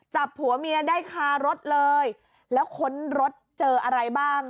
จับผัวเมียได้คารถเลยแล้วค้นรถเจออะไรบ้าง